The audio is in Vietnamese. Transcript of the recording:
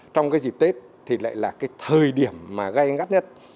trong dịp tết lại là thời điểm gây ngắt nhất